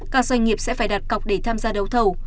các doanh nghiệp sẽ phải đặt cọc để tham gia đấu thầu